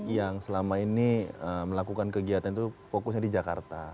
yang selama ini melakukan kegiatan itu fokusnya di jakarta